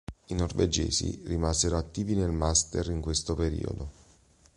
I norvegesi rimasero attivi nel Munster in questo periodo.